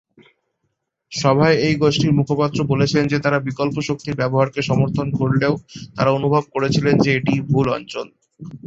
সভায় এই গোষ্ঠীর মুখপাত্র বলেছেন যে, তারা বিকল্প শক্তির ব্যবহারকে সমর্থন করলেও তারা অনুভব করেছিলেন যে এটিই ভুল অঞ্চল।